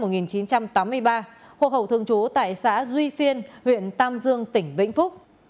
đối tượng phạm thị kiên sinh năm một nghìn chín trăm tám mươi ba hồ hậu thường trú tại xã duy phiên huyện tam dương tỉnh vĩnh phúc